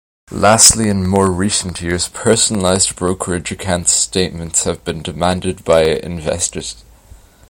Lastly, in more recent years, "personalized" brokerage account statements have been demanded by investors.